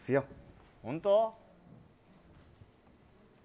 本当？